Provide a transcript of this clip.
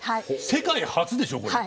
世界初でしょこれ。